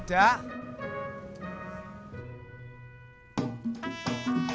muang wajah kak man